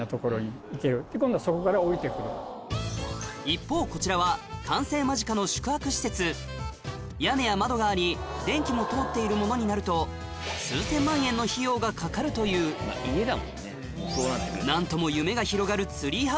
一方こちらは完成間近の宿泊施設屋根や窓があり電気も通っているものになると数千万円の費用がかかるという家だもんね。